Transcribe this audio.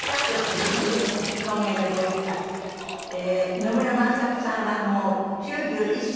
野村万作さんはもう９１歳。